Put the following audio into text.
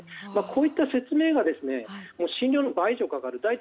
こういった説明が診療の倍以上かかる。